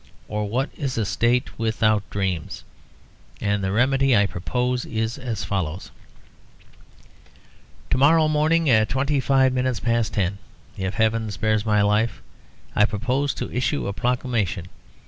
For what is a state without dreams? And the remedy I propose is as follows: "To morrow morning at twenty five minutes past ten, if Heaven spares my life, I purpose to issue a Proclamation.